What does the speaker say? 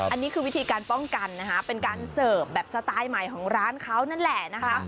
อันนี้คือวิธีการป้องกันนะคะเป็นการเสิร์ฟแบบสไตล์ใหม่ของร้านเขานั่นแหละนะคะ